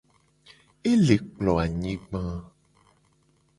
Ele kplo anyigba.